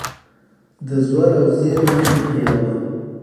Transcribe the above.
د زور او زېر نښې مه هېروه.